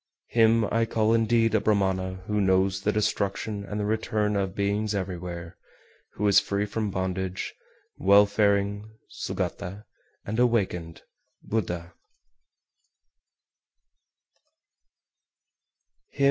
419. Him I call indeed a Brahmana who knows the destruction and the return of beings everywhere, who is free from bondage, welfaring (Sugata), and awakened (Buddha).